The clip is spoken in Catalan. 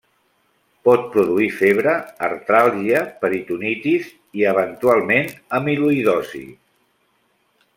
Pot produir febre, artràlgia, peritonitis i eventualment amiloïdosi.